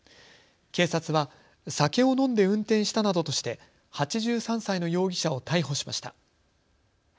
警察は酒を飲んで運転したなどとして８３歳の容疑者を逮捕しました。